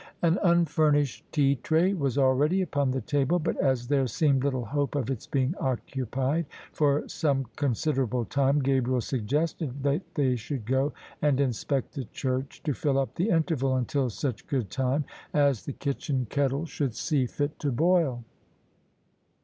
An unfur nished tea tray was already upon the table: but as there seemed little hope of its being occupied for some considerable time, Gabriel suggested that they should go and inspect the church to fill up the interval until such good time as the kitchen kettle should see fit to boil.